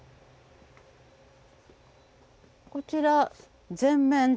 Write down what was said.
こちら全面的に。